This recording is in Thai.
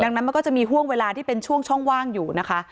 ดังนั้นมันก็จะมีห่วงเวลาที่เป็นช่วงช่องว่างอยู่นะคะ